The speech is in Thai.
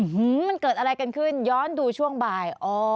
มันเกิดอะไรกันขึ้นย้อนดูช่วงบ่าย